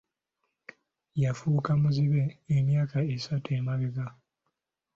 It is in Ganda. Yafuuka muzibe emyaka esatu emabega.